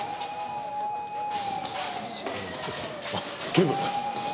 警部。